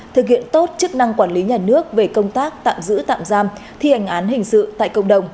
thực hiện tốt chức năng quản lý nhà nước về công tác tạm giữ tạm giam thi hành án hình sự tại cộng đồng